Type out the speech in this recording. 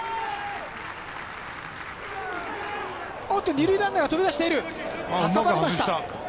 二塁ランナーが飛び出している。